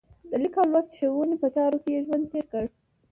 د لیک او لوست ښوونې په چارو کې یې ژوند تېر کړ.